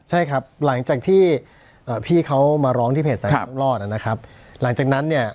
ใช่ครับหลังจากที่พี่เค้ามาร้องที่เพจสาธิตนำรอด